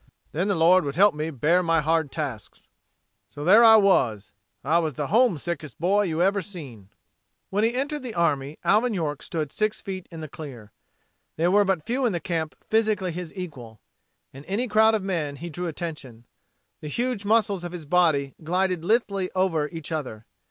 ... Then the Lord would help me to bear my hard tasks. "So there I was. I was the homesickest boy you ever seen." When he entered the army Alvin York stood six feet in the clear. There were but few in camp physically his equal. In any crowd of men he drew attention. The huge muscles of his body glided lithely over each other.